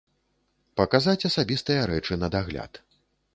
Паказаць асабістыя рэчы на дагляд.